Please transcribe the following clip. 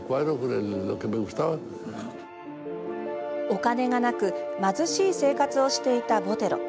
お金がなく貧しい生活をしていたボテロ。